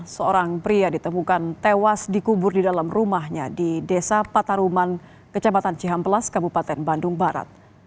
seorang pria ditemukan tewas dikubur di dalam rumahnya di desa pataruman kecamatan cihamplas kabupaten bandung barat